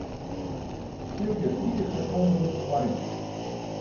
Spylje tritich sekonden foarút.